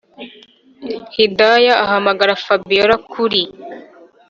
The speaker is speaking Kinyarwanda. hidaya ahamagara fabiora kuri